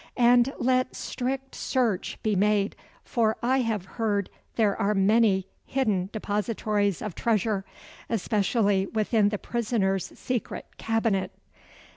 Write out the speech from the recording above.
And let strict search be made for I have heard there are many hidden depositories of treasure especially within the prisoner's secret cabinet."